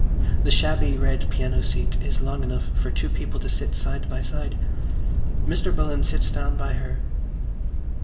The shabby red piano seat is long enough for two people to sit side by side. Mr. Bullen sits down by her.